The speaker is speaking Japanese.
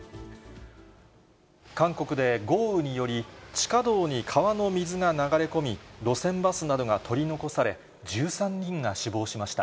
韓国で豪雨により、地下道に川の水が流れ込み、路線バスなどが取り残され、１３人が死亡しました。